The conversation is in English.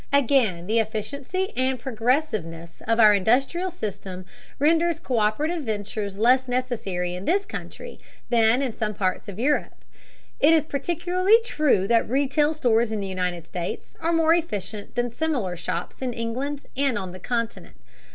Again, the efficiency and progressiveness of our industrial system renders co÷perative ventures less necessary in this country than in some parts of Europe. It is particularly true that retail stores in the United States are more efficient than similar shops in England and on the Continent.